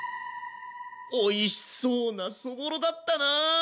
おいしそうなそぼろだったな。